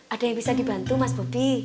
ada yang bisa dibantu mas bobi